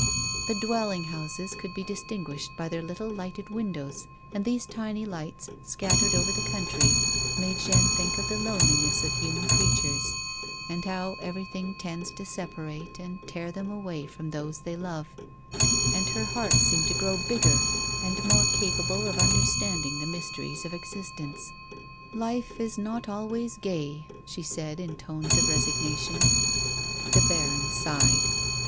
The dwelling houses could be distinguished by their little lighted windows, and these tiny 94 A WOMAN'S LITE. lights, scattered over the country, made Jeaune thiuk of the loneliness of human creatures, and how everything tends to separate and tear them away from those they love, and her heart seemed to grow bigger and more capable of under standing the mysteries of existence. " Life is not always gay," she said in tones of resignation. The baron sighed.